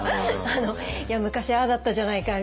「昔ああだったじゃないか」みたいな。